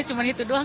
cuma itu doang